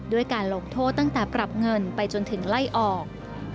ด้วยการลงโทษตั้งแต่ปรับเงินไปจนถึงไล่ออก